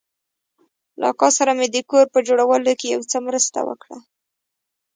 له اکا سره مې د کور په جوړولو کښې يو څه مرسته وکړه.